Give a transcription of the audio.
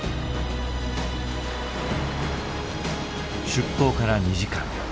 出港から２時間。